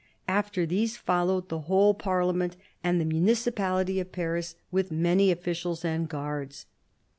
After these followed the whole Parliament and the Municipality of Paris, with many officials and guards.